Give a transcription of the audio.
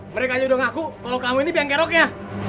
mereka aja udah ngaku kalau kamu ini biang geroknya